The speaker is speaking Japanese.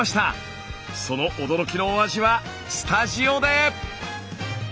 その驚きのお味はスタジオで！